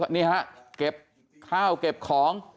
นี่ฮะเก็บข้าวเก็บของ